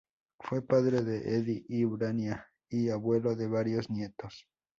Fue padre de Eddy y Urania y abuelo de varios nietos.